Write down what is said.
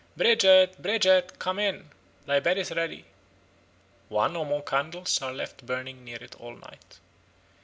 . 'Bridget, Bridget, come in; thy bed is ready.' One or more candles are left burning near it all night."